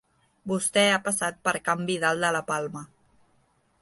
Vostè ha passat per can Vidal de la Palma.